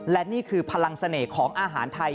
และนี่คือพลังเสน่ห์ของอาหารไทย